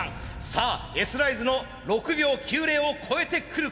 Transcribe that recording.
さあＳライズの６秒９０を超えてくるか！